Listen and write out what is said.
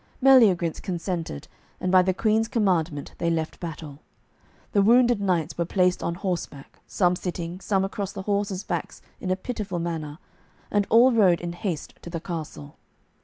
Meliagrance consented, and by the Queen's commandment they left battle. The wounded knights were placed on horseback, some sitting, some across the horses' backs in a pitiful manner, and all rode in haste to the castle.